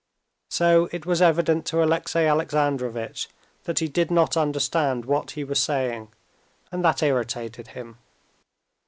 So it was evident to Alexey Alexandrovitch that he did not understand what he was saying, and that irritated him.